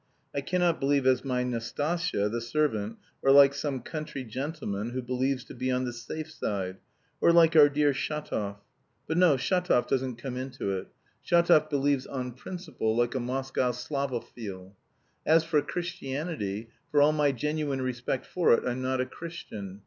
I cannot believe as my Nastasya (the servant) or like some country gentleman who believes 'to be on the safe side,' or like our dear Shatov but no, Shatov doesn't come into it. Shatov believes 'on principle,' like a Moscow Slavophil. As for Christianity, for all my genuine respect for it, I'm not a Christian.